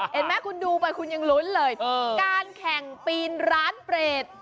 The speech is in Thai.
เห็นไหมคุณดูไปคุณยังลุ้นเลยการแข่งปีนร้านเปรต